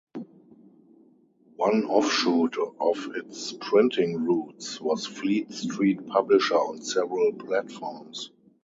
One offshoot of its printing roots was "Fleet Street Publisher" on several platforms.